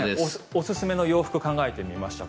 おすすめの洋服を考えてみました。